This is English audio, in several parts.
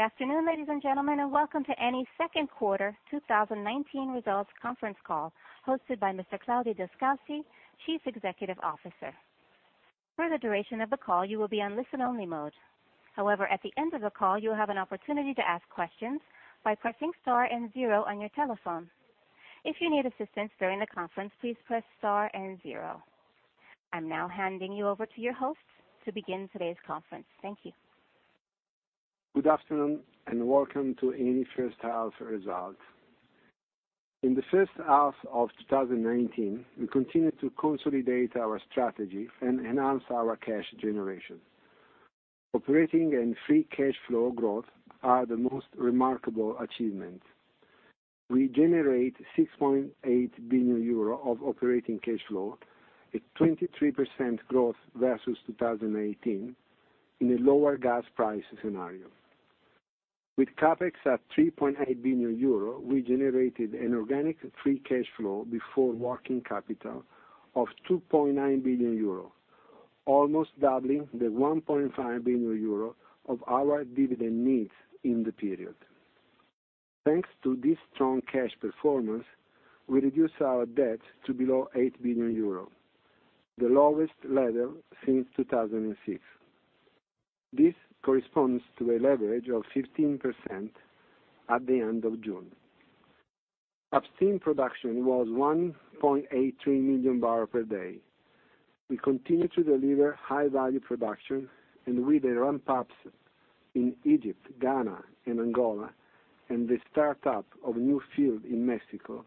Good afternoon, ladies and gentlemen, and welcome to Eni Q2 2019 results conference call hosted by Mr. Claudio Descalzi, Chief Executive Officer. For the duration of the call, you will be on listen-only mode. At the end of the call, you will have an opportunity to ask questions by pressing star and zero on your telephone. If you need assistance during the conference, please press star and zero. I'm now handing you over to your host to begin today's conference. Thank you. Good afternoon and welcome to Eni H1 results. In the first half of 2019, we continued to consolidate our strategy and enhance our cash generation. Operating and free cash flow growth are the most remarkable achievements. We generate 6.8 billion euro of operating cash flow at 23% growth versus 2018 in a lower gas price scenario. With CapEx at 3.8 billion euro, we generated an organic free cash flow before working capital of 2.9 billion euro, almost doubling the 1.5 billion euro of our dividend needs in the period. Thanks to this strong cash performance, we reduced our debt to below 8 billion euros, the lowest level since 2006. This corresponds to a leverage of 15% at the end of June. Upstream production was 1.83 million barrels per day. We continue to deliver high value production and with the ramp-ups in Egypt, Ghana, and Angola, and the start-up of a new field in Mexico,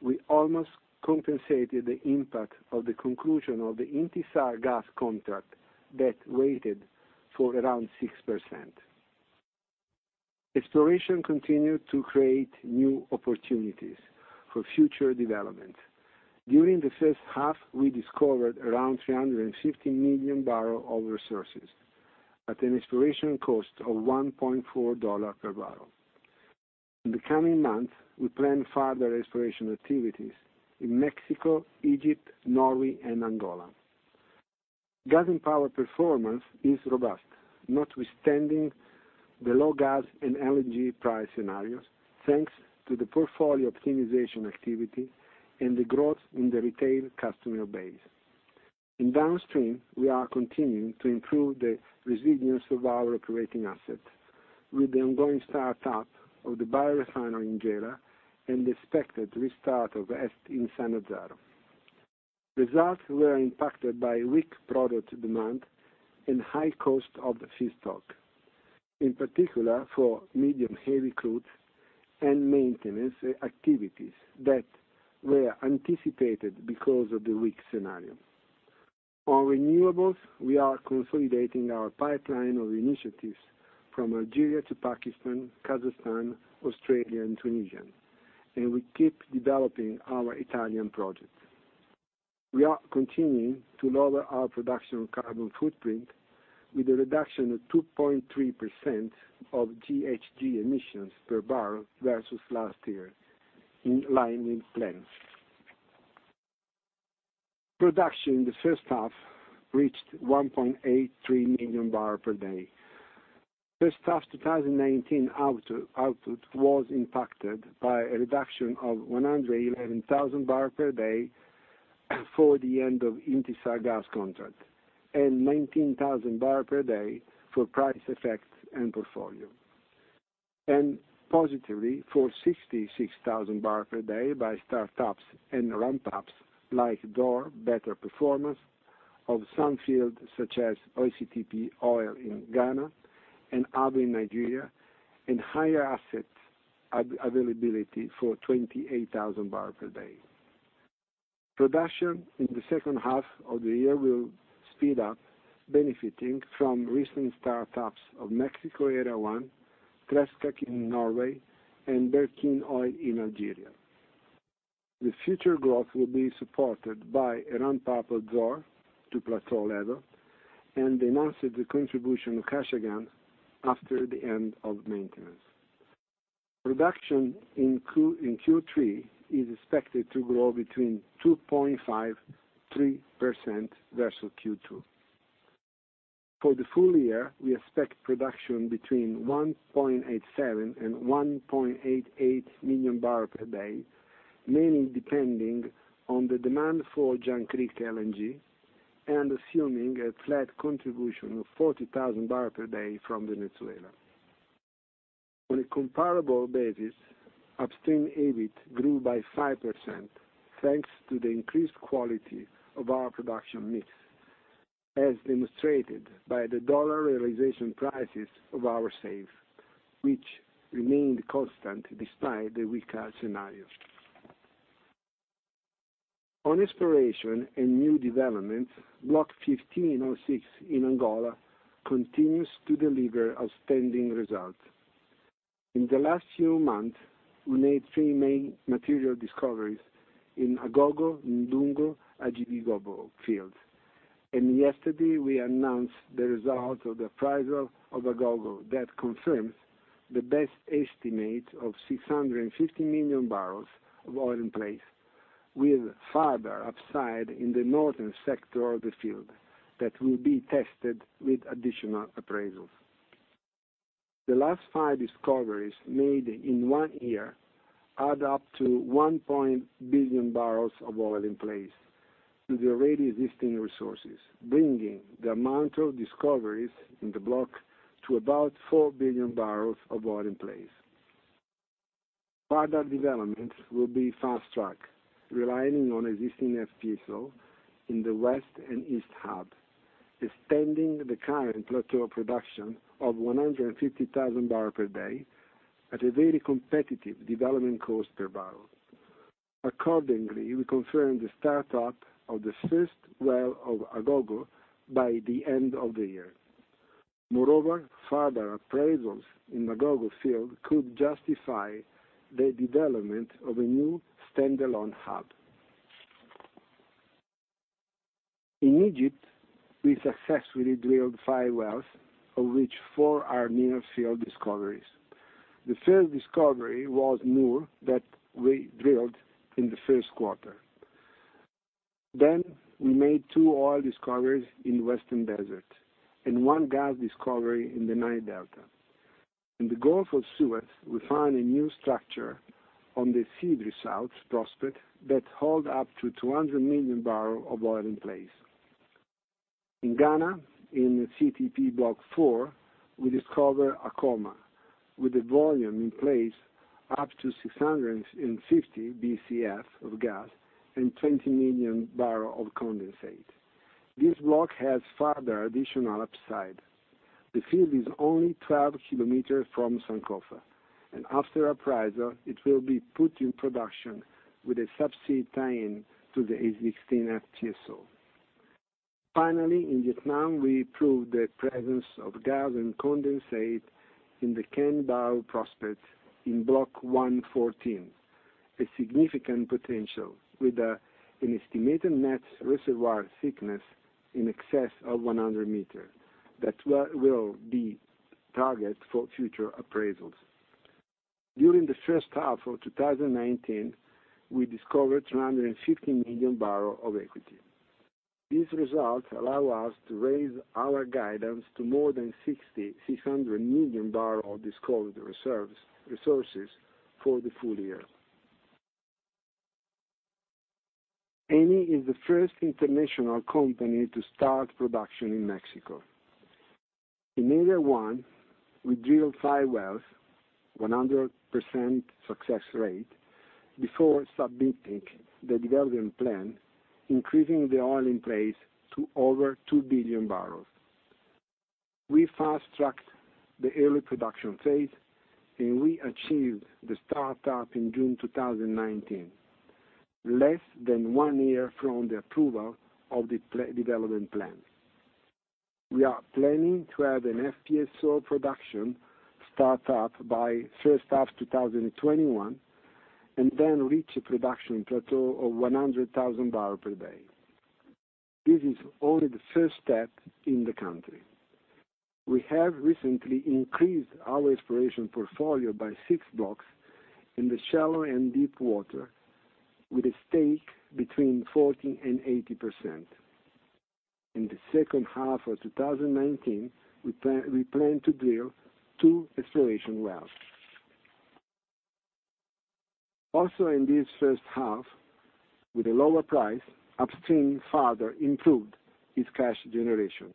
we almost compensated the impact of the conclusion of the Intisar gas contract that weighed for around 6%. Exploration continued to create new opportunities for future development. During the H1, we discovered around 350 million barrel of resources at an exploration cost of $1.4 per barrel. In the coming months, we plan further exploration activities in Mexico, Egypt, Norway, and Angola. Gas and Power performance is robust, notwithstanding the low gas and LNG price scenarios, thanks to the portfolio optimization activity and the growth in the retail customer base. In downstream, we are continuing to improve the resilience of our operating assets with the ongoing start-up of the biorefinery in Gela and the expected restart of EST in Sannazzaro. Results were impacted by weak product demand and high cost of the feedstock, in particular for medium-heavy crude and maintenance activities that were anticipated because of the weak scenario. On renewables, we are consolidating our pipeline of initiatives from Algeria to Pakistan, Kazakhstan, Australia, and Tunisia. We keep developing our Italian projects. We are continuing to lower our production carbon footprint with a reduction of 2.3% of GHG emissions per barrel versus last year, in line with plans. Production in the H1 reached 1.83 million barrel per day. H1 2019 output was impacted by a reduction of 111,000 barrel per day for the end of Intisar gas contract, and 19,000 barrel per day for price effects and portfolio. Positively for 66,000 barrels per day by start-ups and ramp-ups like Zohr, better performance of some fields such as OCTP oil in Ghana and other in Nigeria, and higher assets availability for 28,000 barrels per day. Production in the second half of the year will speed up benefiting from recent start-ups of Mexico Area 1, Trestakk in Norway, and Berkine oil in Algeria. The future growth will be supported by a ramp-up of Zohr to plateau level and the announced contribution of Kashagan after the end of maintenance. Production in Q3 is expected to grow between 2.53% versus Q2. For the full year, we expect production between 1.87 million and 1.88 million barrels per day, mainly depending on the demand for Jangkrik LNG and assuming a flat contribution of 40,000 barrels per day from Venezuela. On a comparable basis, upstream EBIT grew by 5% thanks to the increased quality of our production mix, as demonstrated by the dollar realization prices of our sales, which remained constant despite the weaker scenario. On exploration and new developments, Block 15/06 in Angola continues to deliver outstanding results. In the last few months, we made three main material discoveries in Agogo, Ndungu, Agidigbo fields. Yesterday, we announced the result of the appraisal of Agogo that confirms the best estimate of 650 million barrels of oil in place. With further upside in the northern sector of the field, that will be tested with additional appraisals. The last five discoveries made in one year add up to one billion barrels of oil in place to the already existing resources, bringing the amount of discoveries in the block to about four billion barrels of oil in place. Further development will be fast-tracked, relying on existing FPSO in the west and east hub, extending the current plateau production of 150,000 barrels per day at a very competitive development cost per barrel. Accordingly, we confirm the startup of the first well of Agogo by the end of the year. Moreover, further appraisals in Agogo field could justify the development of a new standalone hub. In Egypt, we successfully drilled five wells, of which four are new field discoveries. The first discovery was Nour that we drilled in the first quarter. We made two oil discoveries in Western Desert and one gas discovery in the Nile Delta. In the Gulf of Suez, we found a new structure on the Sidri South prospect that hold up to 200 million barrel of oil in place. In Ghana, in CTP-Block 4, we discover Akoma with a volume in place up to 650 BCF of gas and 20 million barrels of condensate. This block has further additional upside. The field is only 12 kilometers from Sankofa, and after appraisal, it will be put in production with a subsea tie-in to the existing FPSO. Finally, in Vietnam, we proved the presence of gas and condensate in the Ken Bau prospect in Block 114. A significant potential, with an estimated net reservoir thickness in excess of 100 meters, that will be target for future appraisals. During the H1 of 2019, we discovered 350 million barrels of equity. These results allow us to raise our guidance to more than 600 million barrels of discovered resources for the full year. Eni is the first international company to start production in Mexico. In Area 1, we drilled five wells, 100% success rate, before submitting the development plan, increasing the oil in place to over 2 billion barrels. We fast-tracked the early production phase, and we achieved the startup in June 2019, less than one year from the approval of the development plan. We are planning to have an FPSO production start up by H1 2021, and then reach a production plateau of 100,000 barrels per day. This is only the first step in the country. We have recently increased our exploration portfolio by six blocks in the shallow and deep water, with a stake between 40% and 80%. In the second half of 2019, we plan to drill two exploration wells. Also in this first half, with a lower price, upstream further improved its cash generation.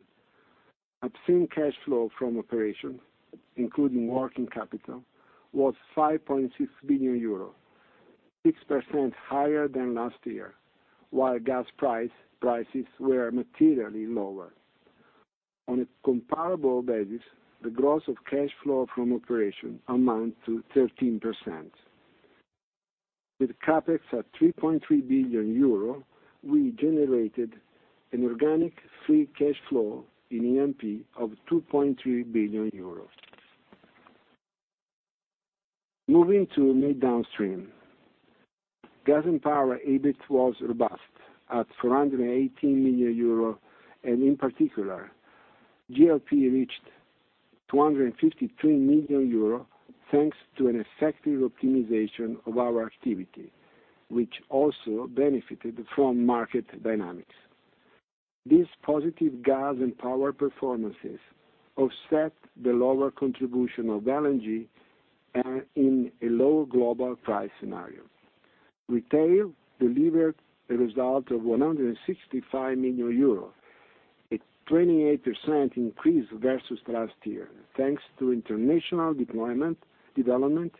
Upstream cash flow from operation, including working capital, was 5.6 billion euros, 6% higher than last year, while gas prices were materially lower. On a comparable basis, the gross of cash flow from operation amount to 13%. With CapEx at 3.3 billion euro, we generated an organic free cash flow in NMP of 2.3 billion euros. Moving to midstream. Gas and Power EBIT was robust at 418 million euro. In particular, GLP reached 253 million euro thanks to an effective optimization of our activity, which also benefited from market dynamics. These positive Gas and Power performances offset the lower contribution of LNG in a low global price scenario. Retail delivered a result of 165 million euros, a 28% increase versus last year, thanks to international development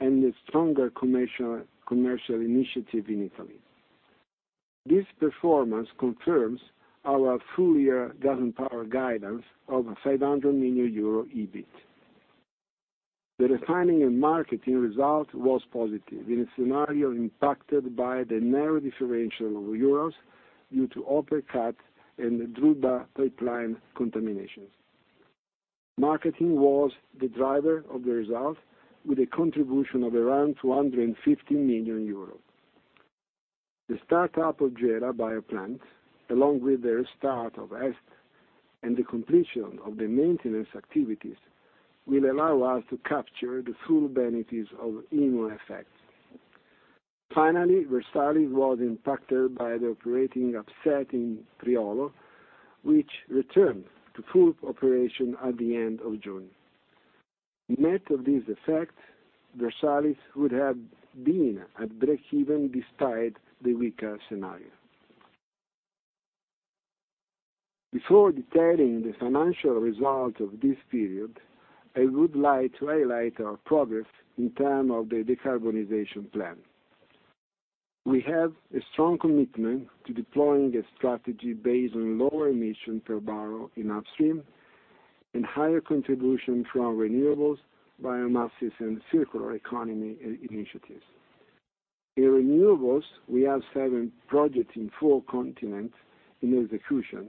and a stronger commercial initiative in Italy. This performance confirms our full year Gas and Power guidance of a 500 million euro EBIT. The Refining and Marketing result was positive in a scenario impacted by the narrow differential over Urals due to OPEC cuts and the Druzhba pipeline contaminations. Marketing was the driver of the result, with a contribution of around 250 million euros. The startup of Gela biorefinery, along with the restart of Sannazzaro and the completion of the maintenance activities will allow us to capture the full benefits of IMO effects. Finally, Versalis was impacted by the operating upset in Priolo, which returned to full operation at the end of June. Net of this effect, Versalis would have been at breakeven despite the weaker scenario. Before detailing the financial results of this period, I would like to highlight our progress in terms of the decarbonization plan. We have a strong commitment to deploying a strategy based on lower emissions per barrel in upstream, higher contribution from renewables, biomasses, and circular economy initiatives. In renewables, we have seven projects in four continents in execution,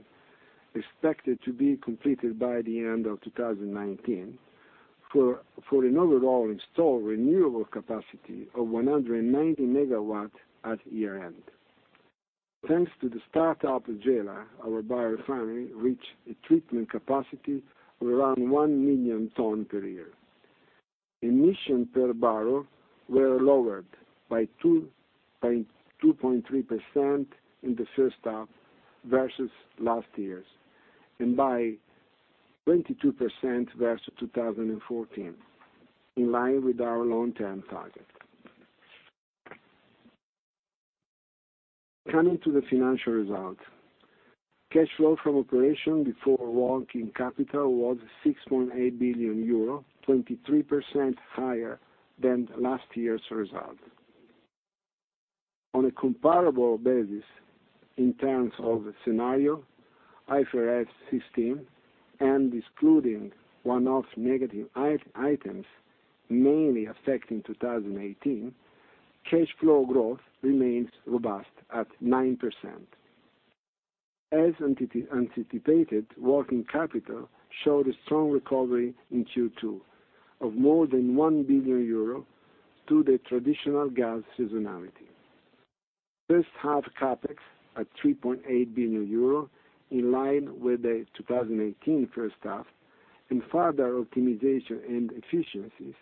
expected to be completed by the end of 2019, for an overall installed renewable capacity of 190 megawatts at year-end. Thanks to the start-up of Gela, our biorefinery reached a treatment capacity of around 1 million tons per year. Emission per barrel were lowered by 2.3% in the H1 versus last year's, and by 22% versus 2014, in line with our long-term target. Coming to the financial result. Cash flow from operation before working capital was 6.8 billion euro, 23% higher than last year's result. On a comparable basis in terms of scenario, IFRS 16, and excluding one-off negative items mainly affecting 2018, cash flow growth remains robust at 9%. As anticipated, working capital showed a strong recovery in Q2 of more than 1 billion euro to the traditional gas seasonality. H1 CapEx at 3.8 billion euro, in line with the 2018 first half, and further optimization and efficiencies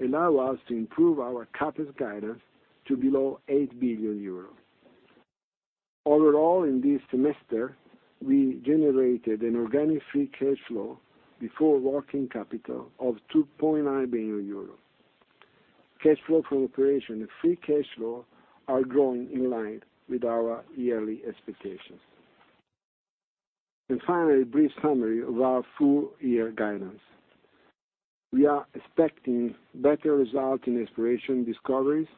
allow us to improve our CapEx guidance to below 8 billion euros. Overall, in this semester, we generated an organic free cash flow before working capital of 2.9 billion euros. Cash flow from operation and free cash flow are growing in line with our yearly expectations. Finally, a brief summary of our full-year guidance. We are expecting better results in exploration discoveries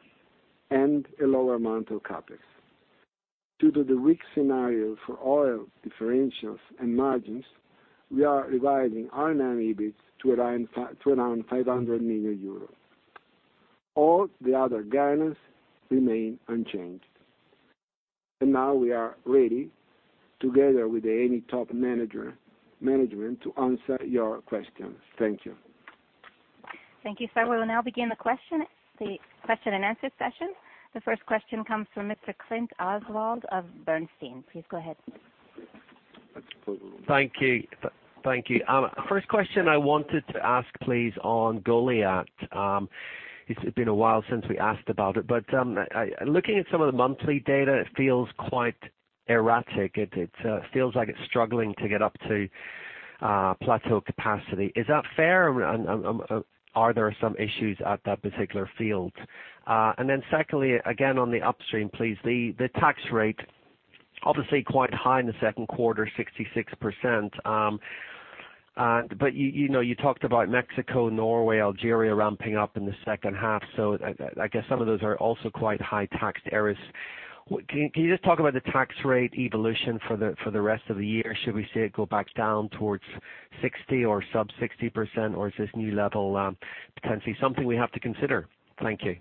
and a lower amount of CapEx. Due to the weak scenario for oil differentials and margins, we are revising our R&M EBIT to around 500 million euros. All the other guidance remain unchanged. Now we are ready, together with the Eni top management, to answer your questions. Thank you. Thank you, sir. We will now begin the question-and answer-session. The first question comes from Mr. Oswald Clint of Bernstein. Please go ahead. Thank you. First question I wanted to ask, please, on Goliat. It's been a while since we asked about it. Looking at some of the monthly data, it feels quite erratic. It feels like it's struggling to get up to plateau capacity. Is that fair? Are there some issues at that particular field? Secondly, again, on the upstream, please. The tax rate, obviously quite high in the Q2, 66%. You talked about Mexico, Norway, Algeria ramping up in the H2. I guess some of those are also quite high tax areas. Can you just talk about the tax rate evolution for the rest of the year? Should we see it go back down towards 60% or sub 60%, or is this new level potentially something we have to consider? Thank you.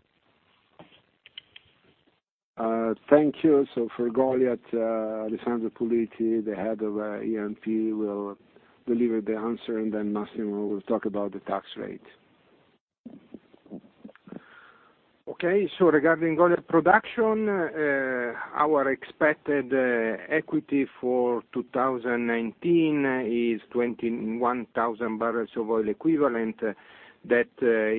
Thank you. For Goliat, Alessandro Puliti, the head of E&P, will deliver the answer, and then Massimo will talk about the tax rate. Okay. Regarding Goliat production, our expected equity for 2019 is 21,000 barrels of oil equivalent. That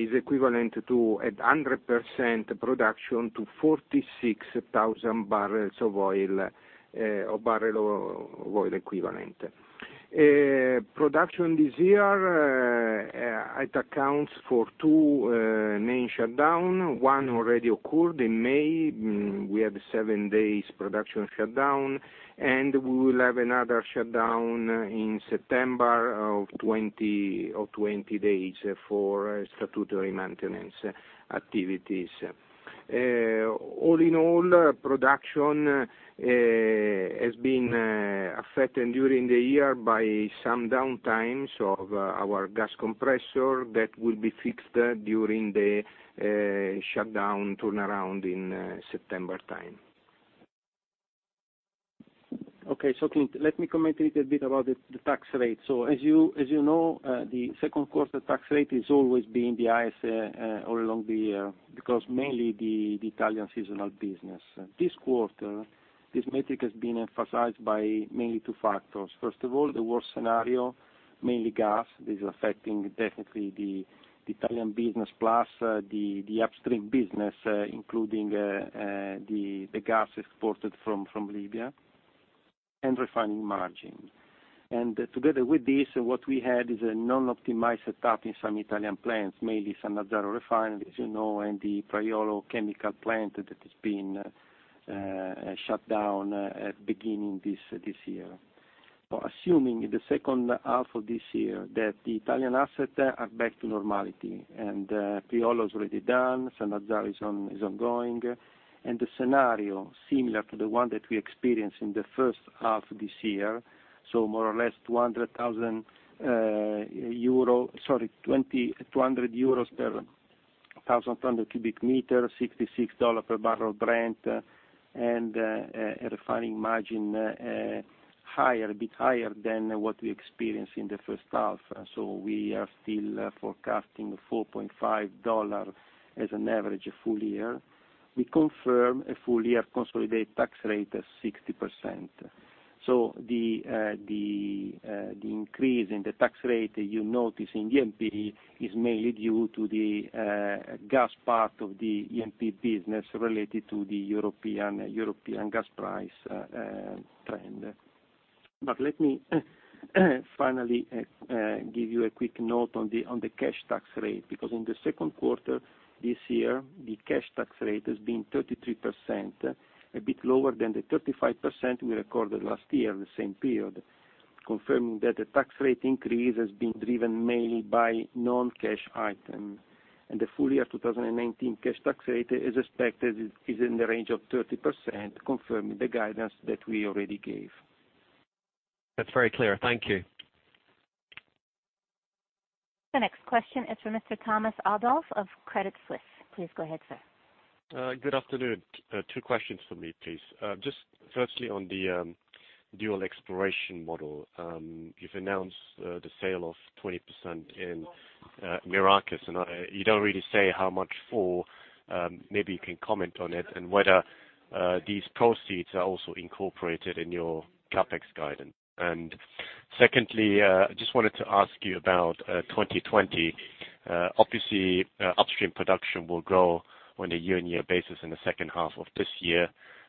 is equivalent to 100% production to 46,000 barrels of oil equivalent. Production this year, it accounts for two main shutdown. One already occurred in May. We had seven days production shutdown, and we will have another shutdown in September of 20 days for statutory maintenance activities. All in all, production has been affected during the year by some downtimes of our gas compressor that will be fixed during the shutdown turnaround in September time. Okay. Clint, let me comment a little bit about the tax rate. As you know, the second quarter tax rate has always been the highest all along the year because mainly the Italian seasonal business. This quarter. This metric has been emphasized by mainly two factors. First of all, the worst scenario, mainly gas. This is affecting definitely the Upstream business, including the gas exported from Libya, and refining margins. Together with this, what we had is a non-optimized setup in some Italian plants, mainly Sannazzaro refinery, as you know, and the Priolo chemical plant that has been shut down at beginning this year. Assuming in the H2 of this year that the Italian assets are back to normality and Priolo is already done, Sannazzaro is ongoing. The scenario similar to the one that we experienced in the first half this year, more or less 200 euro per 1,000 cubic meter, $66 per barrel Brent, and a refining margin a bit higher than what we experienced in the H1. We are still forecasting $4.50 as an average full year. We confirm a full year consolidated tax rate of 60%. The increase in the tax rate you notice in the E&P is mainly due to the gas part of the E&P business related to the European gas price trend. Let me finally give you a quick note on the cash tax rate, because in the second quarter this year, the cash tax rate has been 33%, a bit lower than the 35% we recorded last year in the same period, confirming that the tax rate increase has been driven mainly by non-cash item. The full year 2019 cash tax rate is expected in the range of 30%, confirming the guidance that we already gave. That's very clear. Thank you. The next question is for Mr. Thomas Adolff of Credit Suisse. Please go ahead, sir. Good afternoon. Two questions for me, please. Firstly, on the dual exploration model. You've announced the sale of 20% in Merakes, you don't really say how much for. Maybe you can comment on it, whether these proceeds are also incorporated in your CapEx guidance. Secondly, I wanted to ask you about 2020. Obviously, upstream production will grow on a year-on-year basis in the second half of this year.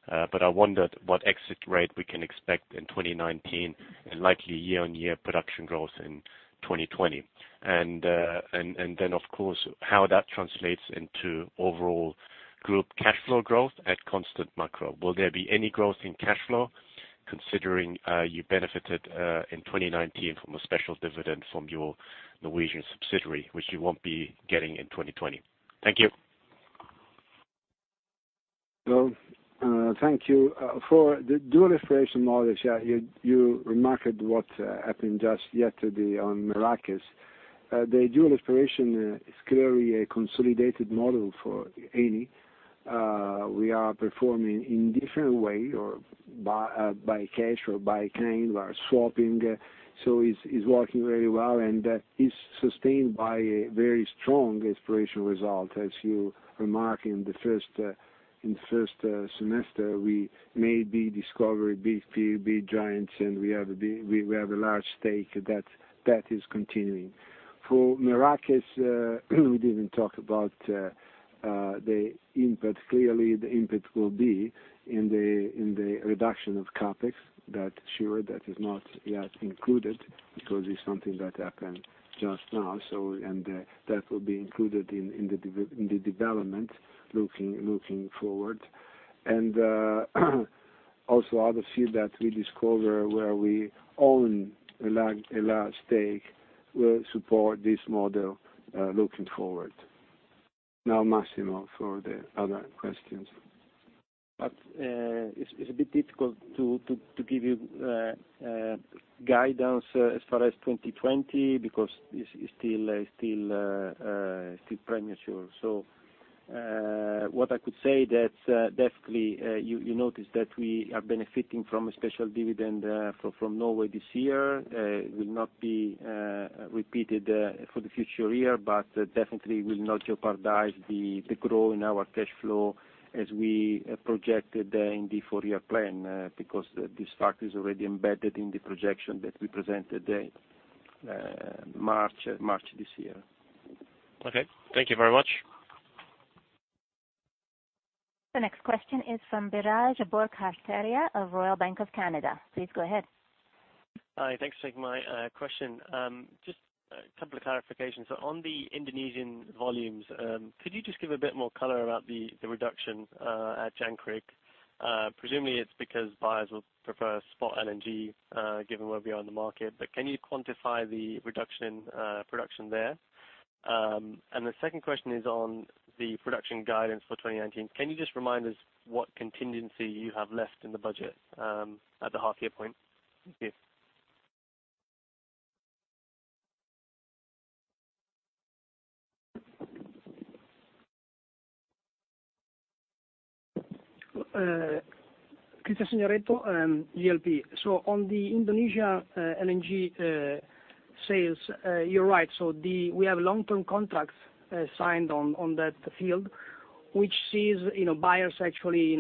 I wondered what exit rate we can expect in 2019, likely year-on-year production growth in 2020. Of course, how that translates into overall group cash flow growth at constant macro. Will there be any growth in cash flow considering you benefited in 2019 from a special dividend from your Norwegian subsidiary, which you won't be getting in 2020? Thank you. Well, thank you. For the dual exploration model, yeah, you remarked what happened just yesterday on Merakes. The dual exploration is clearly a consolidated model for Eni. We are performing in different way or by cash or by kind, by swapping. It's working very well, and is sustained by a very strong exploration result. As you remark in the first semester, we made the discovery, big field, big giants, and we have a large stake. That is continuing. For Merakes, we didn't talk about the input. Clearly, the input will be in the reduction of CapEx. That, sure. That is not yet included because it's something that happened just now. That will be included in the development looking forward. Also other field that we discover where we own a large stake will support this model looking forward. Now, Massimo for the other questions. It's a bit difficult to give you guidance as far as 2020, because it's still premature. What I could say that definitely, you notice that we are benefiting from a special dividend from Norway this year. It will not be repeated for the future year, but definitely will not jeopardize the growth in our cash flow as we projected in the four-year plan, because this factor is already embedded in the projection that we presented March this year. Okay. Thank you very much. The next question is from Biraj Borkhataria of Royal Bank of Canada. Please go ahead. Hi, thanks for taking my question. Just a couple of clarifications. On the Indonesian volumes, could you just give a bit more color about the reduction at Jangkrik? Presumably it's because buyers will prefer spot LNG, given where we are in the market. Can you quantify the reduction in production there? The second question is on the production guidance for 2019. Can you just remind us what contingency you have left in the budget at the half year point? Thank you. Cristian Signoretto, G&P. on the Indonesia LNG sales, you're right. We have long-term contracts signed on that field, which sees buyers actually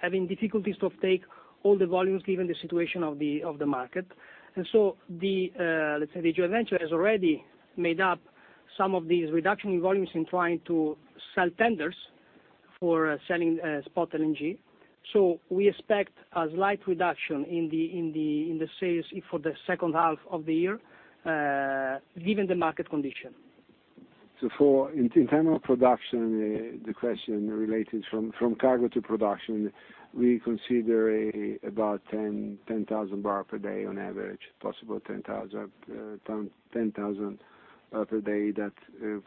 having difficulties to take all the volumes given the situation of the market. Let's say the joint venture has already made up some of these reduction in volumes in trying to sell tenders for selling spot LNG. We expect a slight reduction in the sales for the second half of the year, given the market condition. For internal production, the question related from cargo to production, we consider about 10,000 barrels per day on average, possible 10,000 per day.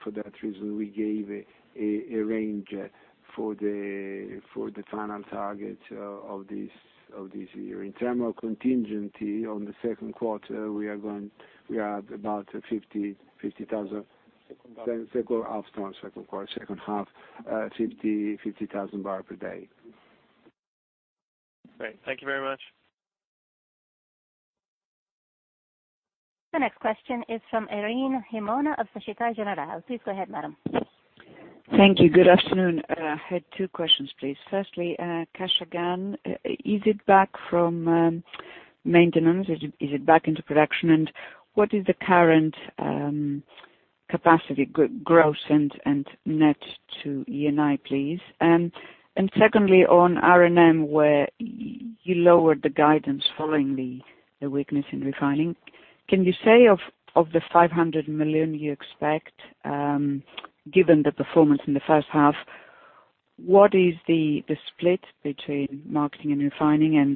For that reason, we gave a range for the final target of this year. In term of contingency on the second quarter, we are at about 50,000. Second half. Second half, not second quarter. Second half, 50,000 barrel per day. Great. Thank you very much. The next question is from Irene Himona of Societe Generale. Please go ahead, madam. Thank you. Good afternoon. I had two questions, please. Firstly, Kashagan, is it back from maintenance? Is it back into production? What is the current capacity growth and net to Eni, please? Secondly, on R&M, where you lowered the guidance following the weakness in refining. Can you say of the 500 million you expect, given the performance in the H1, what is the split between marketing and refining?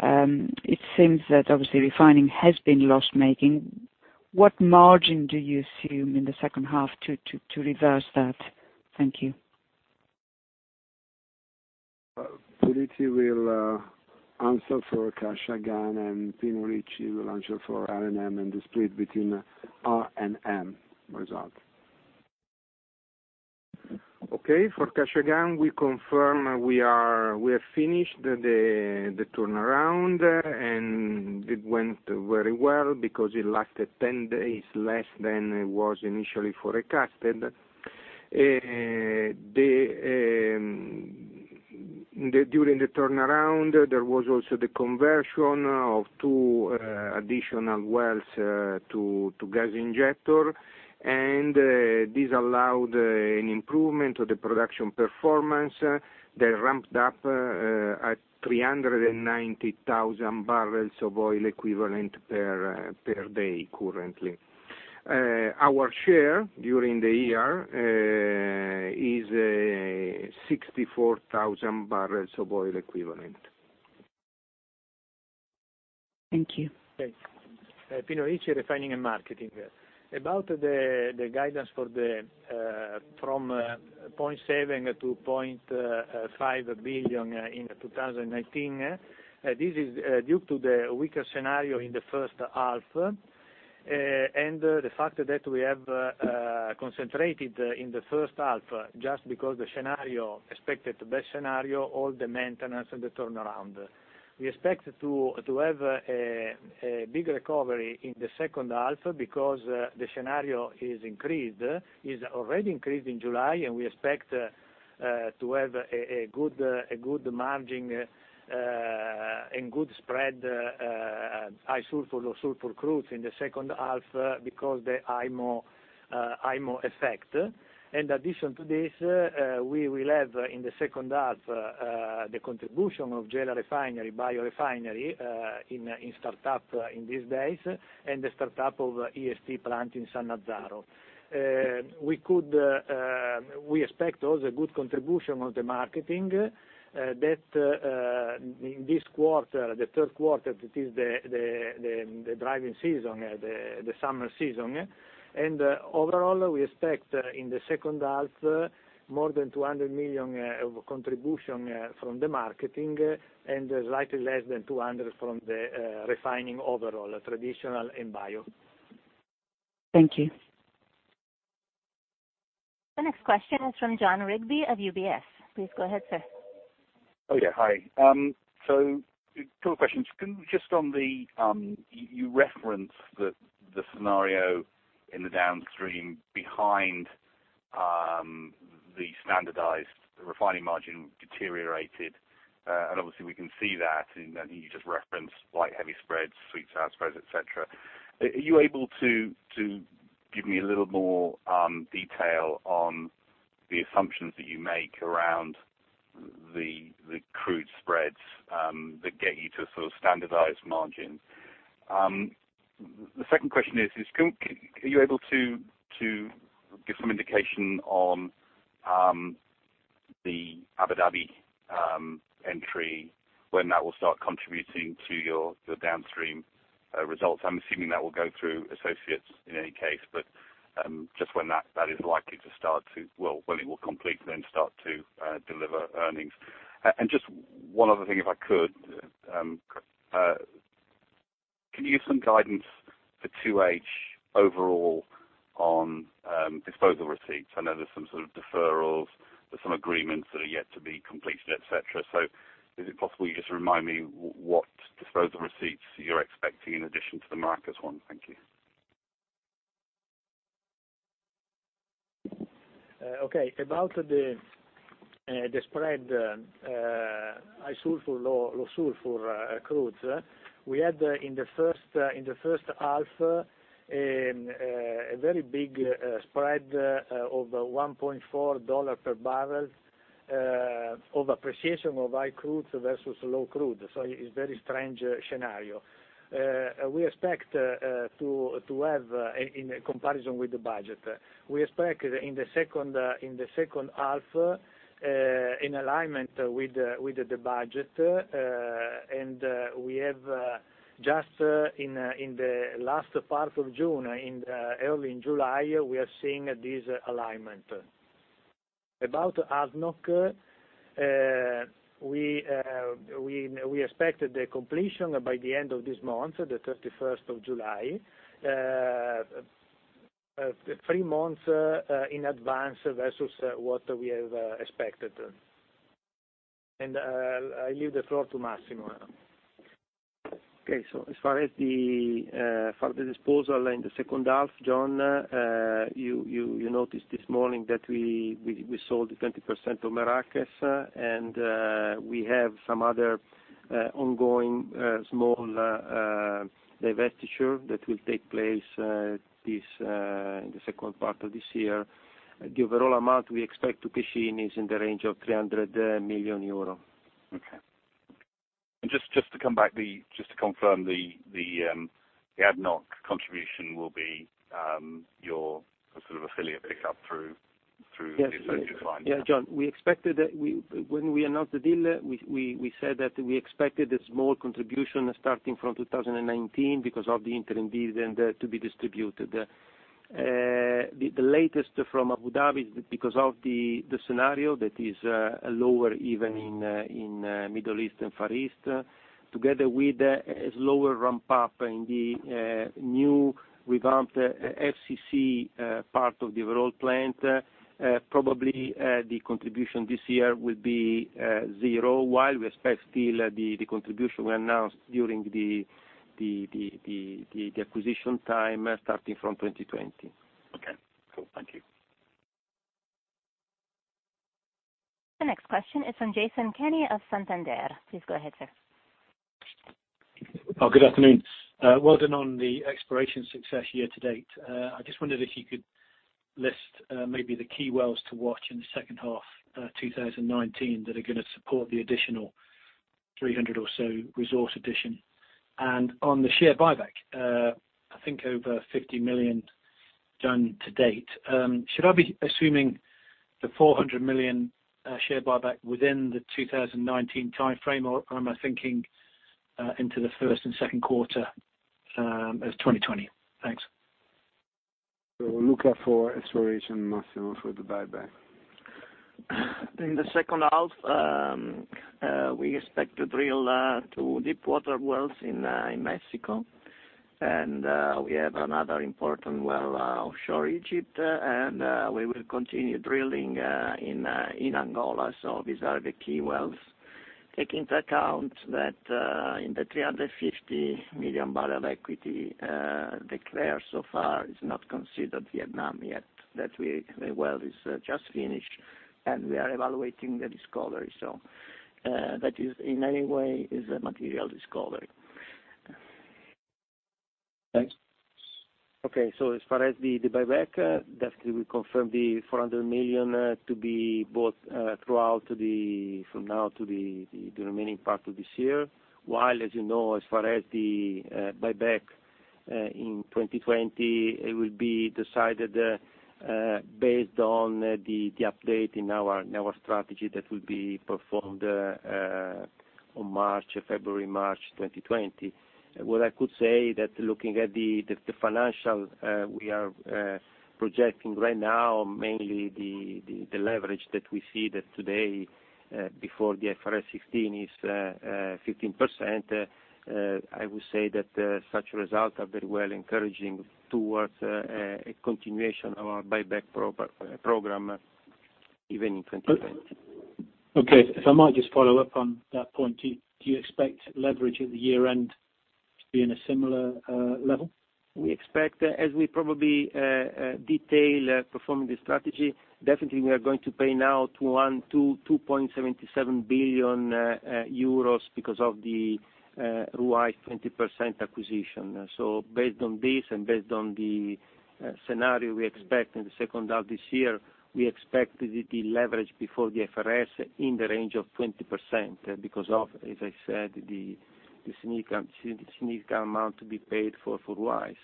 It seems that obviously refining has been loss-making. What margin do you assume in the second half to reverse that? Thank you. Puliti will answer for Kashagan, and Pino Ricci will answer for R&M and the split between R&M result. Okay. For Kashagan, we confirm we have finished the turnaround. It went very well because it lasted 10 days less than was initially forecasted. During the turnaround, there was also the conversion of two additional wells to gas injector, and this allowed an improvement of the production performance. They ramped up at 390,000 barrels of oil equivalent per day currently. Our share during the year is 64,000 barrels of oil equivalent. Thank you. Okay. Pino Ricci, Refining and Marketing. About the guidance from 0.7 billion - 0.5 billion in 2019, this is due to the weaker scenario in the H1 and the fact that we have concentrated in the H1, just because the scenario expected the best scenario, all the maintenance, and the turnaround. We expect to have a big recovery in H2 because the scenario is increased. It's already increased in July. We expect to have a good margin and good spread high sulfur, low sulfur crude in the second half because the IMO effect. In addition to this, we will have, in the H2, the contribution of Gela biorefinery in startup in these days, and the startup of EST plant in Sannazzaro. We expect also good contribution of the marketing that in this quarter, the third quarter that is the driving season, the summer season. Overall, we expect in the H2, more than 200 million of contribution from the marketing and slightly less than 200 million from the refining overall, traditional and bio. Thank you. The next question is from Jon Rigby of UBS. Please go ahead, sir. Oh, yeah. Hi. Two questions. Just on the scenario in the downstream behind the standardized refining margin deteriorated. Obviously, we can see that, and you just referenced light, heavy spreads, sweet, sour spreads, et cetera. Are you able to give me a little more detail on the assumptions that you make around the crude spreads that get you to a sort of standardized margin? The second question is, are you able to give some indication on the Abu Dhabi entry, when that will start contributing to your downstream results? I'm assuming that will go through associates in any case, but just when that is likely to start to when it will complete, then start to deliver earnings. Just one other thing, if I could. Can you give some guidance for 2H overall? On disposal receipts. I know there's some sort of deferrals. There's some agreements that are yet to be completed, et cetera. Is it possible you just remind me what disposal receipts you're expecting in addition to the Merakes one? Thank you. About the spread, high sulfur, low sulfur crudes. We had in the H1, a very big spread of $1.4 per barrel of appreciation of high crude versus low crude. It's very strange scenario. We expect to have in comparison with the budget. We expect in the H2, in alignment with the budget. We have just in the last part of June, early in July, we are seeing this alignment. About ADNOC, we expect the completion by the end of this month, the 31st of July. Three months in advance versus what we have expected. I leave the floor to Massimo now. As far the disposal in the H2, Jon, you noticed this morning that we sold 20% of Merakes, and we have some other ongoing small divestiture that will take place in the second part of this year. The overall amount we expect to cash in is in the range of 300 million euro. Okay. Just to come back, just to confirm, the ADNOC contribution will be your sort of affiliate pickup through the associated clients? Yeah, Jon, when we announced the deal, we said that we expected a small contribution starting from 2019 because of the interim deal and to be distributed. The latest from Abu Dhabi is because of the scenario that is lower even in Middle East and Far East, together with a slower ramp-up in the new revamped FCC part of the overall plant. Probably, the contribution this year will be zero, while we expect still the contribution we announced during the acquisition time starting from 2020. Okay, cool. Thank you. The next question is from Jason Kenney of Santander. Please go ahead, sir. Good afternoon. Well done on the exploration success year to date. I just wondered if you could list maybe the key wells to watch in the H2 2019 that are going to support the additional 300 or so resource addition. On the share buyback, I think over 50 million done to date. Should I be assuming the 400 million share buyback within the 2019 timeframe, or am I thinking into Q1 and Q2 of 2020? Thanks. Luca for exploration, Massimo for the buyback. In the H2, we expect to drill two deep water wells in Mexico. We have another important well offshore Egypt, and we will continue drilling in Angola. These are the key wells. Take into account that in the 350 million barrel equity declared so far, is not considered Vietnam yet. That the well is just finished, and we are evaluating the discovery. That is in any way is a material discovery. Thanks. As far as the buyback, definitely we confirm the 400 million to be both throughout from now to the remaining part of this year. As you know, as far as the buyback in 2020, it will be decided based on the update in our strategy that will be performed on February, March 2020. I could say that looking at the financial, we are projecting right now mainly the leverage that we see that today before the IFRS 16 is 15%. I would say that such results are very well encouraging towards a continuation of our buyback program even in 2020. Okay. If I might just follow up on that point, do you expect leverage at the year-end to be in a similar level? We expect, as we probably detail performing the strategy, definitely we are going to pay now 2.77 billion euros because of the Ruwais 20% acquisition. Based on this and based on the scenario we expect in the second half this year, we expect the leverage before the IFRS in the range of 20%, because of, as I said, the significant amount to be paid for Ruwais.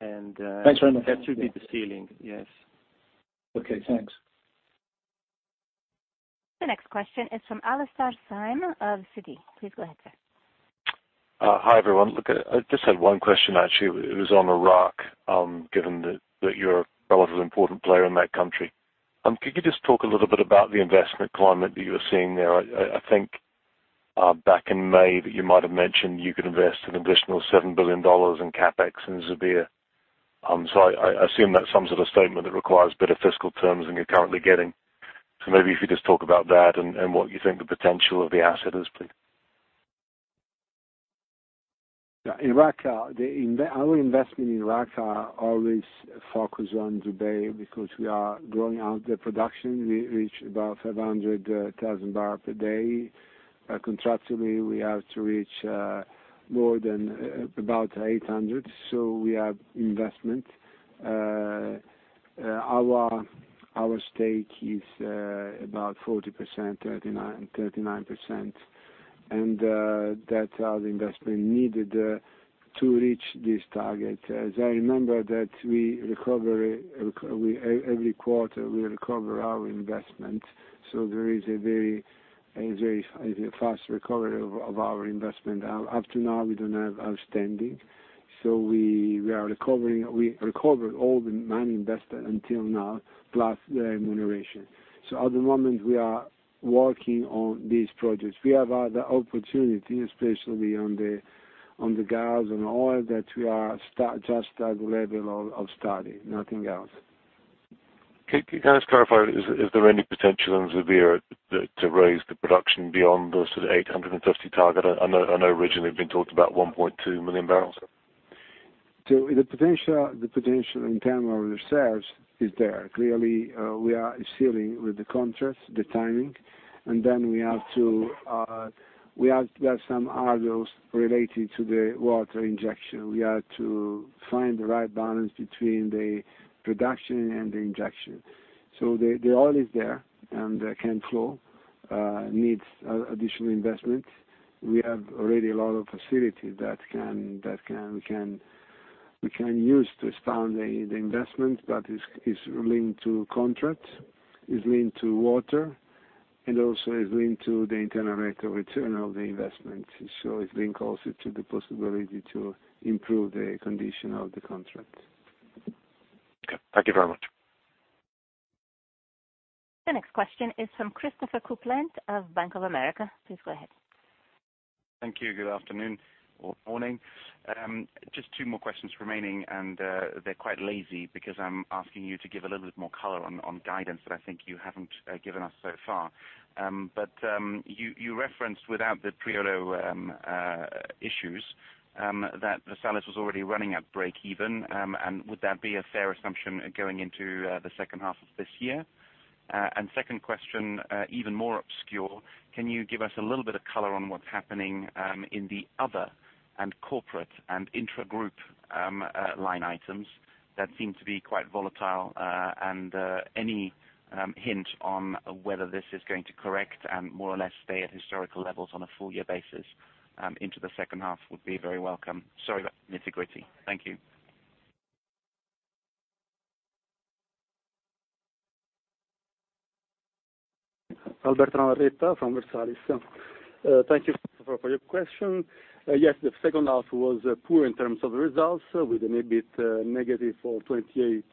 Thanks very much. That should be the ceiling. Yes. Okay, thanks. The next question is from Alastair Syme of Citi. Please go ahead, sir. Hi, everyone. Look, I just had one question, actually. It was on Iraq, given that you're a relatively important player in that country. Could you just talk a little bit about the investment climate that you are seeing there? Back in May, you might have mentioned you could invest an additional EUR 7 billion in CapEx in Zubair. I assume that's some sort of statement that requires better fiscal terms than you're currently getting. Maybe if you just talk about that and what you think the potential of the asset is, please. Our investment in Iraq always focus on Zubair because we are growing out the production. We reach about 700,000 barrel per day. Contractually, we have to reach about 800, so we have investment. Our stake is about 40%, 39%. That investment needed to reach this target. As I remember, every quarter we recover our investment. There is a very fast recovery of our investment. Up to now, we don't have outstanding. We recovered all the money invested until now, plus the remuneration. At the moment, we are working on these projects. We have other opportunity, especially on the gas and oil, that we are just at the level of study, nothing else. Can you kind of clarify, is there any potential in Zubair to raise the production beyond the sort of 850 target? I know originally it had been talked about 1.2 million barrels. The potential in terms of reserves is there. Clearly, we are sealing with the contracts, the timing, and then we have some hurdles related to the water injection. We are to find the right balance between the production and the injection. The oil is there, and the control needs additional investment. We have already a lot of facility that we can use to expand the investment, but it's linked to contract, is linked to water, and also is linked to the internal rate of return of the investment. It's linked also to the possibility to improve the condition of the contract. Okay. Thank you very much. The next question is from Christopher Kuplent of Bank of America. Please go ahead. Thank you. Good afternoon, or morning. Just two more questions remaining, and they're quite lazy because I'm asking you to give a little bit more color on guidance that I think you haven't given us so far. You referenced without the Priolo issues, that Versalis was already running at breakeven, and would that be a fair assumption going into the second half of this year? Second question, even more obscure, can you give us a little bit of color on what's happening in the other, and corporate, and intragroup line items that seem to be quite volatile? Any hint on whether this is going to correct and more or less stay at historical levels on a full year basis into the second half would be very welcome. Sorry about the nitty-gritty. Thank you. Alberto Navarrete from Versalis. Thank you, Christopher, for your question. The H2 was poor in terms of results with an EBIT negative 28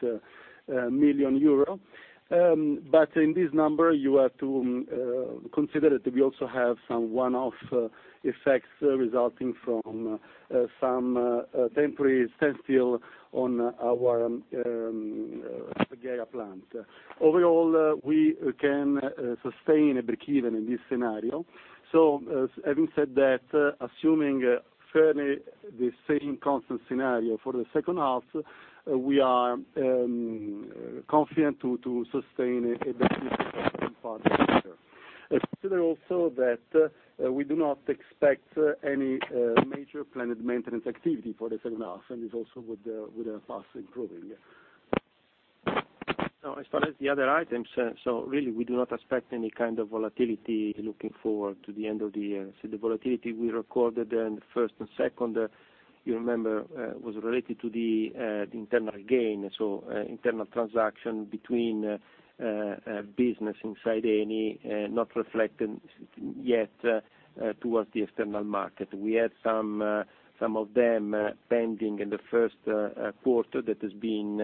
million euro. In this number, you have to consider that we also have some one-off effects resulting from some temporary standstill on our Ragusa plant. Overall, we can sustain a breakeven in this scenario. Having said that, assuming fairly the same constant scenario for the second half, we are confident to sustain a breakeven in second part of the year. Consider also that we do not expect any major planned maintenance activity for the H2, it also would pass improving. As far as the other items, really, we do not expect any kind of volatility looking forward to the end of the year. The volatility we recorded in the first and second, you remember, was related to the internal gain. Internal transaction between business inside Eni, not reflected yet towards the external market. We had some of them pending in Q1 that is being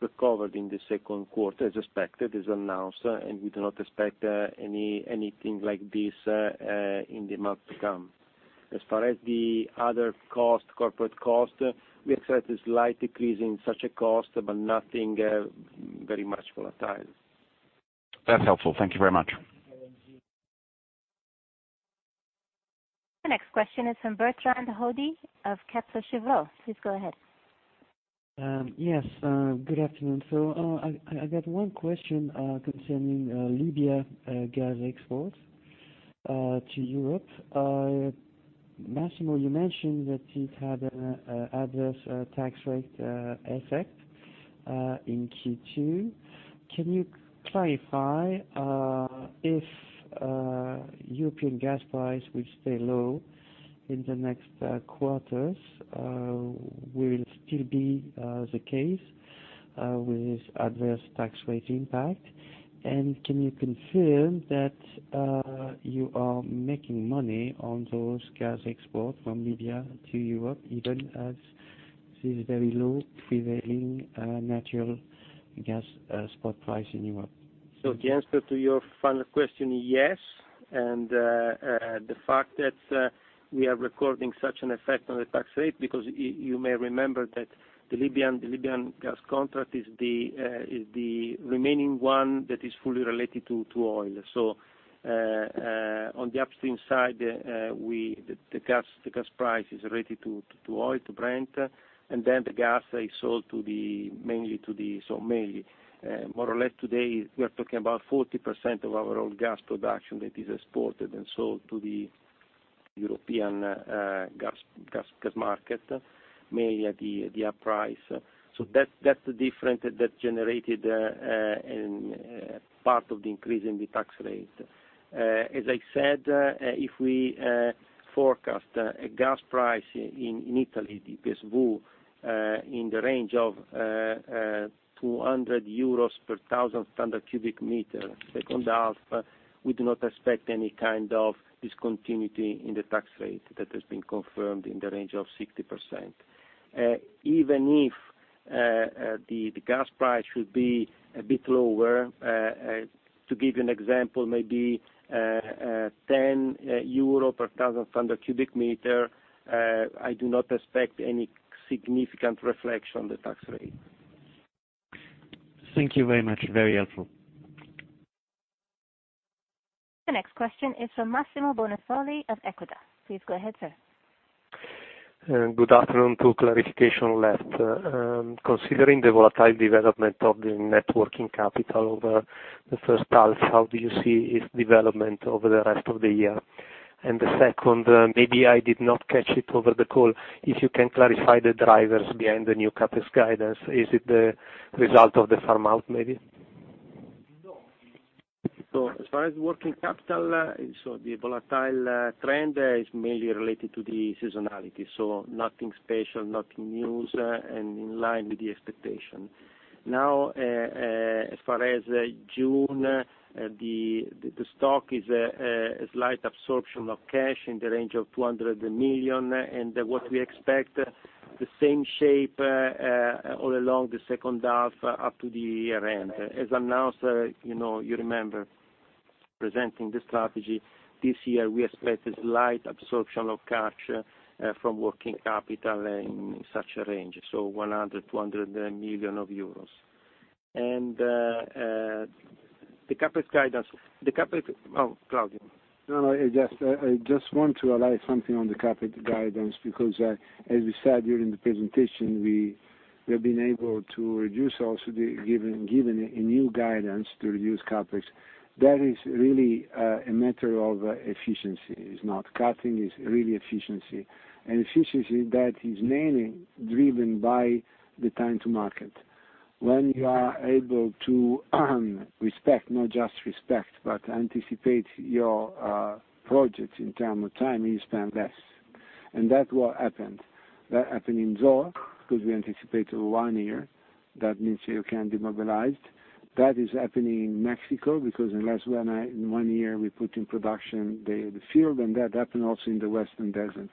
recovered in Q2 as expected, as announced, and we do not expect anything like this in the months to come. As far as the other corporate cost, we expect a slight decrease in such a cost, but nothing very much volatile. That's helpful. Thank you very much. The next question is from Bertrand Hodée of Kepler Cheuvreux. Please go ahead. Yes. Good afternoon. I got one question concerning Libya gas exports to Europe. Massimo, you mentioned that it had adverse tax rate effect in Q2. Can you clarify if European gas price will stay low in the next quarters? Will it still be the case with adverse tax rate impact? Can you confirm that you are making money on those gas export from Libya to Europe, even as this is very low prevailing natural gas spot price in Europe. The answer to your final question, yes. And the fact that we are recording such an effect on the tax rate, because you may remember that the Libyan gas contract is the remaining one that is fully related to oil. On the upstream side, the gas price is related to oil, to Brent, and then the gas is sold mainly, more or less today, we are talking about 40% of our own gas production that is exported and sold to the European gas market, mainly at the hub price. That's the difference that generated part of the increase in the tax rate. As I said, if we forecast a gas price in Italy, the PSV, in the range of €200 per thousand standard cubic meter second half, we do not expect any kind of discontinuity in the tax rate that has been confirmed in the range of 60%. Even if the gas price should be a bit lower, to give you an example, maybe €10 per thousand standard cubic meter, I do not expect any significant reflection on the tax rate. Thank you very much. Very helpful. The next question is from Massimo Bonisoli of Equita. Please go ahead, sir. Good afternoon. Two clarification left. Considering the volatile development of the net working capital over the first half, how do you see its development over the rest of the year? The second, maybe I did not catch it over the call, if you can clarify the drivers behind the new CapEx guidance. Is it the result of the farm out, maybe? No. As far as working capital, the volatile trend is mainly related to the seasonality. Nothing special, nothing new, and in line with the expectation. Now, as far as June, the stock is a slight absorption of cash in the range of 200 million. What we expect, the same shape all along the H2 up to the year end. As announced, you remember, presenting the strategy this year, we expect a slight absorption of cash from working capital in such a range, so 100 million-200 million euros. The CapEx guidance. Claudio. No, I just want to add something on the CapEx guidance, because as we said during the presentation, we have been able to reduce also, given a new guidance to reduce CapEx. That is really a matter of efficiency. It's not cutting, it's really efficiency. An efficiency that is mainly driven by the time to market. When you are able to respect, not just respect, but anticipate your projects in terms of time, you spend less. That's what happened. That happened in Zohr, because we anticipated one year. That means you can demobilize. That is happening in Mexico, because in less than one year, we put in production the field, and that happened also in the Western Desert.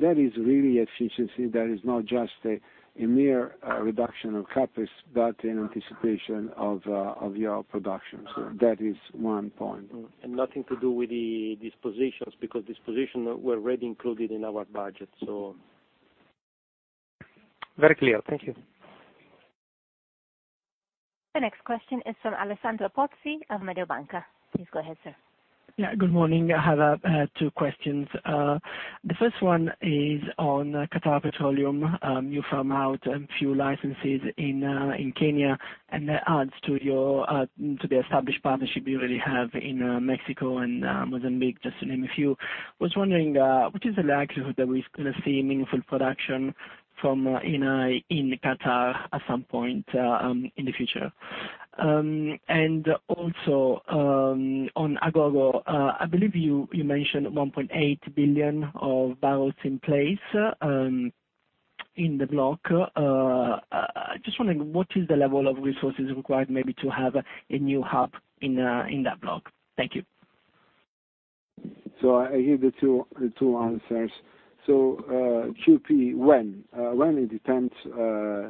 That is really efficiency. That is not just a mere reduction of CapEx, but an anticipation of your production. That is one point. Nothing to do with the dispositions, because dispositions were already included in our budget. Very clear. Thank you. The next question is from Alessandro Pozzi of Mediobanca. Please go ahead, sir. Yeah, good morning. I have two questions. The first one is on Qatar Petroleum, you farm out a few licenses in Kenya, and that adds to the established partnership you already have in Mexico and Mozambique, just to name a few. I was wondering, what is the likelihood that we're going to see meaningful production in Qatar at some point in the future? Also, on Agogo, I believe you mentioned 1.8 billion of barrels in place in the block. I was just wondering, what is the level of resources required maybe to have a new hub in that block? Thank you. I give the two answers. QP, when? When it depends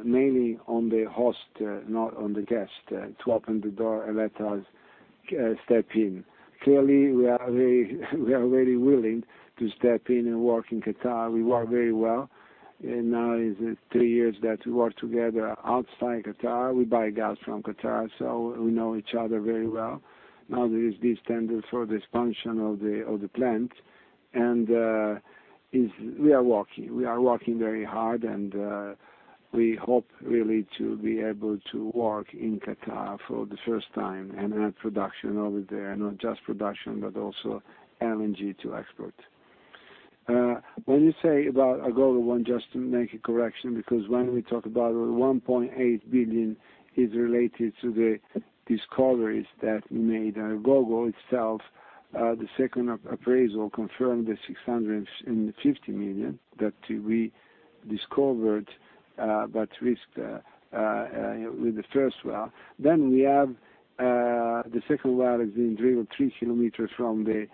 mainly on the host, not on the guest, to open the door and let us step in. Clearly, we are very willing to step in and work in Qatar. We work very well. Now is it three years that we work together outside Qatar. We buy gas from Qatar, so we know each other very well. There is this tender for this function of the plant, and we are working very hard, and we hope really to be able to work in Qatar for the first time and have production over there. Not just production, but also LNG to export. When you say about Agogo, I want just to make a correction, because when we talk about 1.8 billion is related to the discoveries that made Agogo itself. The second appraisal confirmed the 650 million that we discovered, but risked with the first well. We have the second well is being drilled 3 km from the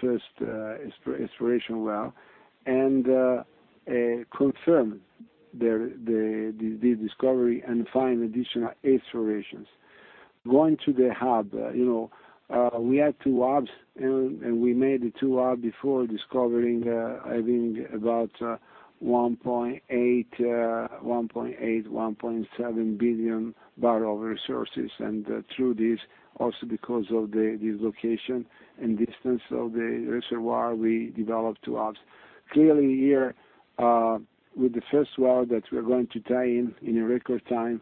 first exploration well, and confirms the discovery and find additional explorations. Going to the hub. We had 2 hubs, we made the 2 hub before discovering, I think about 1.8, 1.7 billion barrel of resources. Through this, also because of the location and distance of the reservoir, we developed 2 hubs. Clearly here, with the first well that we are going to tie in a record time,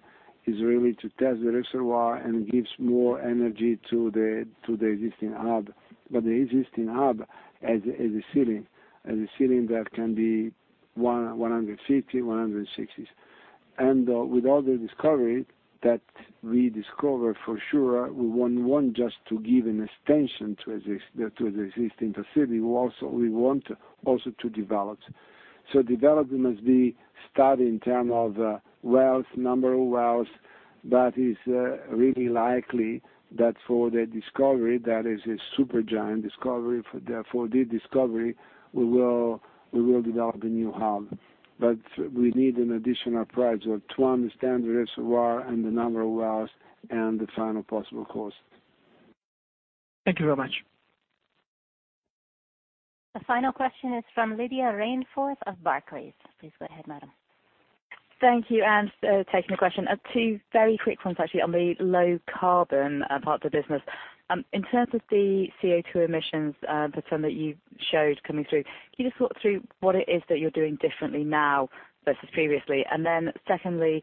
is really to test the reservoir and gives more energy to the existing hub. The existing hub has a ceiling. Has a ceiling that can be 150, 160. With all the discovery that we discover for sure, we want one just to give an extension to the existing facility. We want also to develop. Developing must be studied in terms of wells, number of wells. That is really likely that for the discovery, that is a super giant discovery. For the discovery, we will develop a new hub. We need an additional project to understand the reservoir and the number of wells and the final possible cost. Thank you very much. The final question is from Lydia Rainforth of Barclays. Please go ahead, madam. Thank you. Taking a question. Two very quick ones actually on the low carbon part of the business. In terms of the CO2 emissions % that you showed coming through, can you just walk through what it is that you're doing differently now versus previously? Secondly,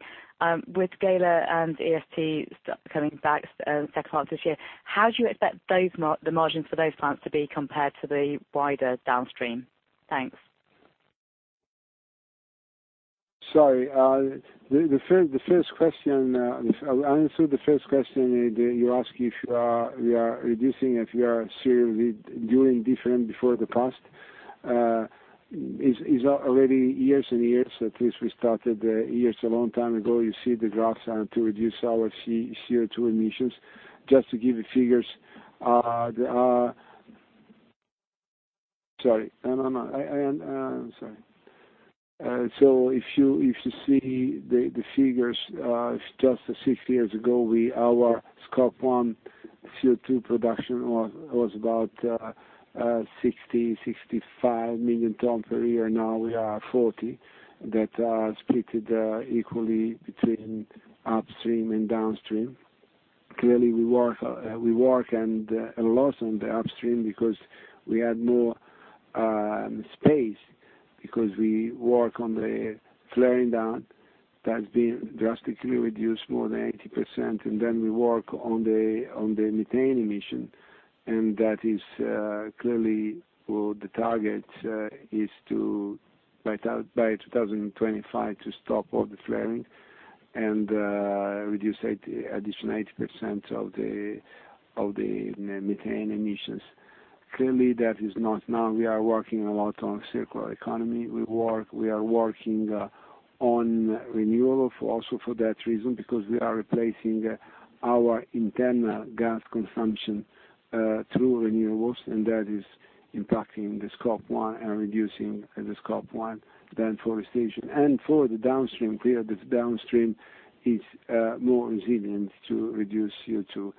with Gela and EST coming back second part this year, how do you expect the margins for those plants to be compared to the wider downstream? Thanks. Sorry. I'll answer the first question. You ask if we are reducing, if we are seriously doing different before the past. It is already years and years, at least we started years a long time ago. You see the graphs to reduce our CO2 emissions. Just to give you figures. Sorry. If you see the figures, just six years ago, our Scope 1 CO2 production was about 60-65 million tons per year. Now we are 40 million tons. That are split equally between upstream and downstream. Clearly, we work a lot on the upstream because we had more space because we work on the flaring down. That has been drastically reduced more than 80%. Then we work on the methane emission. That is clearly the target is to by 2025 to stop all the flaring and reduce additional 80% of the methane emissions. Clearly, that is not now. We are working a lot on circular economy. We are working on renewal also for that reason, because we are replacing our internal gas consumption through renewals, and that is impacting the Scope 1 and reducing the Scope 1. Forestation. For the downstream, clear the downstream is more resilient to reduce CO2.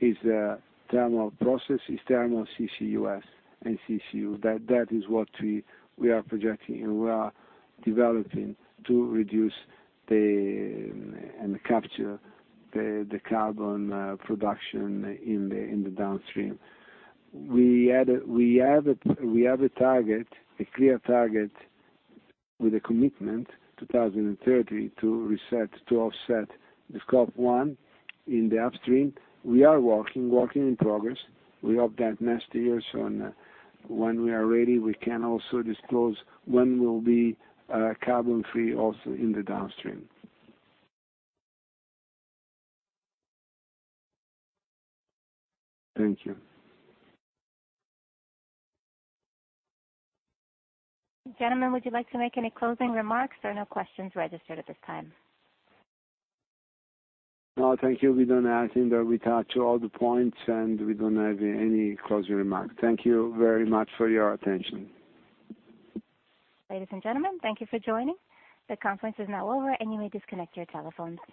Is a thermal process, is thermal CCUS and CCU. That is what we are projecting, and we are developing to reduce and capture the carbon production in the downstream. We have a target, a clear target with a commitment, 2030, to offset the Scope 1 in the upstream. We are working in progress. We hope that next year when we are ready, we can also disclose when we'll be carbon free also in the downstream. Thank you. Gentlemen, would you like to make any closing remarks? There are no questions registered at this time. No, thank you. I think that we touch all the points, and we don't have any closing remarks. Thank you very much for your attention. Ladies and gentlemen, thank you for joining. The conference is now over, and you may disconnect your telephones.